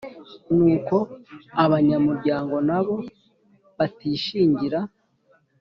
N uko abanyamuryango nabo batishingira